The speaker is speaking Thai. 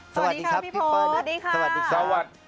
สวัสดีครับพี่โภต